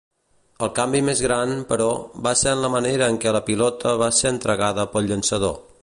El canvi més gran, però, va ser en la manera en què la pilota va ser entregada pel llançador.